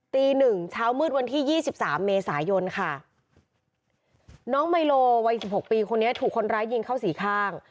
ตีหนึ่งเช้ามืดวันที่ยี่สิบสามเมษายนค่ะน้องไมโลวัยสิบหกปีคนนี้ถูกคนร้ายยิงเข้าสี่ข้าง